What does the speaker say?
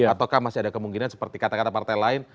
ataukah masih ada kemungkinan seperti kata kata partai lain